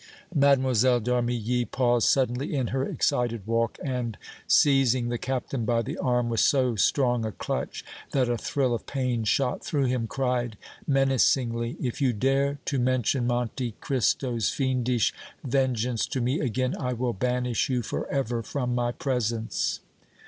Mlle. d' Armilly paused suddenly in her excited walk, and, seizing the Captain by the arm with so strong a clutch that a thrill of pain shot through him, cried, menacingly: "If you dare to mention Monte Cristo's fiendish vengeance to me again, I will banish you forever from my presence!"